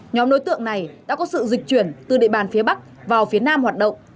nhóm đối tượng này đã có sự dịch chuyển từ địa bàn phía bắc vào phía nam hoạt động